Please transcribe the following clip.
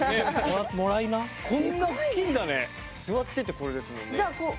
座っててこれですもんね！